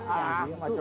oh belum kering sih ya